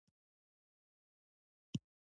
ځنګل د ژوند تسلسل دی.